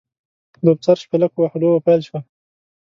لوبڅار شپېلک ووهه؛ لوبه پیل شوه.